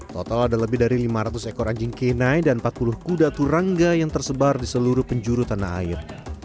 total ada lebih dari lima ratus ekor anjing knai dan empat puluh kuda turangga yang tersebar di seluruh penjuru tanah air